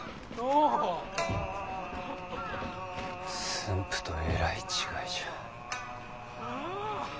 駿府とえらい違いじゃ。